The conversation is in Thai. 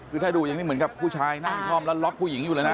คือถ้าดูอย่างนี้เหมือนกับผู้ชายนั่งคล่อมแล้วล็อกผู้หญิงอยู่เลยนะ